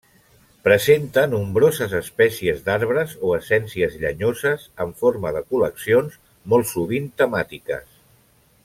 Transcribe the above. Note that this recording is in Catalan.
Presenta nombroses espècies d'arbres o essències llenyoses en forma de col·leccions molt sovint temàtiques.